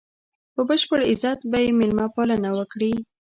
په بشپړ عزت به یې مېلمه پالنه وکړي.